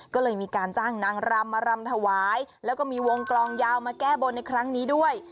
ก็เลยมีการจ้างนางรำมารำถวายแล้วก็มีวงกลองยาวมาแก้บนในครั้งนี้ด้วย